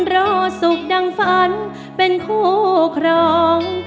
รอสุขดังฝันเป็นคู่ครอง